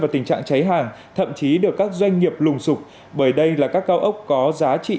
và tình trạng cháy hàng thậm chí được các doanh nghiệp lùng sụp bởi đây là các cao ốc có giá trị